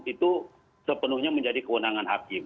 itu sepenuhnya menjadi kewenangan hakim